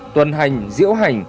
tuần hành diễu hành